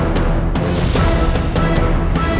aku sudah berhenti